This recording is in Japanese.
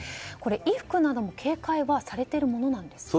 衣服などの警戒はされているものなんですか？